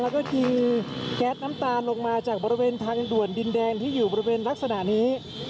แล้วก็ยิงแก๊สน้ำตาลลงมาจากบริเวณทางด่วนดินแดงที่อยู่บริเวณลักษณะนี้